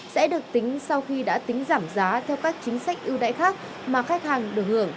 sẽ được tính sau khi đã tính giảm giá theo các chính sách ưu đãi khác mà khách hàng được hưởng